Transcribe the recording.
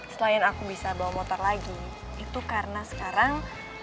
selain aku bisa bawa motor lagi itu karena sekarang